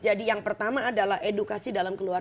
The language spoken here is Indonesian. jadi yang pertama adalah edukasi dalam kebijakan